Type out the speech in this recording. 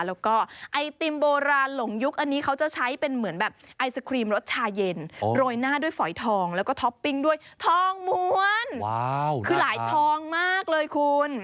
แล้วก็ไอติมโบราณหลงยุคอันนี้เขาจะใช้เป็นเหมือนแบบไอศครีมรสชาเย็นโรยหน้าด้วยฝอยทองแล้วก็ท็อปปิ้งด้วยทองม้วนคือหลายทองมากเลยคุณ